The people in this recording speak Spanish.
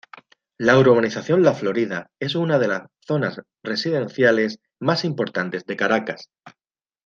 La urbanización La Florida es una de las zonas residenciales más importantes de Caracas.